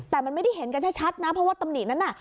แต่มันไม่ได้เห็นกันชัดนะเพราะว่าตำหนินั้นน่ะ